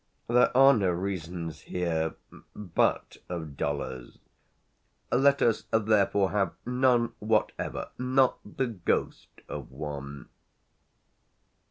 There are no reasons here but of dollars. Let us therefore have none whatever not the ghost of one."